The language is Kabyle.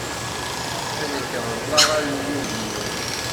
Ad ak-reḍleɣ alug-inu.